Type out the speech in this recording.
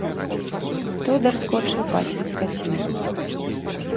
Тодар скончыў пасвіць скаціну.